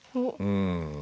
うん。